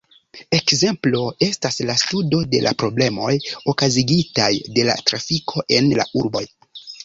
Ekzemplo estas la studo de la problemoj okazigitaj de la trafiko en la urboj.